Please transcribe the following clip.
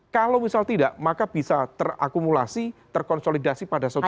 kalau misal tidak maka bisa terakumulasi terkonsolidasi pada sesuatu